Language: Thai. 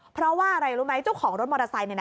เพราะว่าอะไรรู้ไหมเจ้าของรถมอเตอร์ไซค์